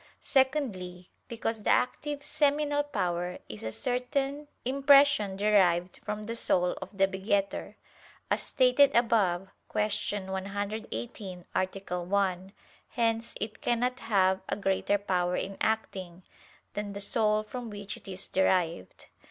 Secondly, because the active seminal power is a certain impression derived from the soul of the begetter, as stated above (Q. 118, A. 1). Hence it cannot have a greater power in acting, than the soul from which it is derived.